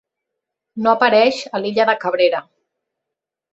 No apareix a l'illa de Cabrera.